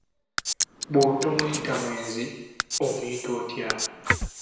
Bw'otomuyita mwenzi omuyita otya?